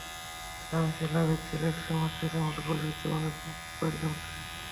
Ramirez, Lavezzi, Jackson মার্টিনেজদের মতো পরিচিত অনেক মুখ পাড়ি জমাচ্ছে সেখানে।